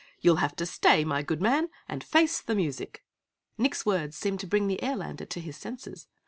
You'll have to stay, my good man, and face the music!" Nick's words seemed to bring the Airlander to his senses.